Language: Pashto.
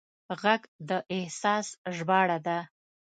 غږ د احساس ژباړه ده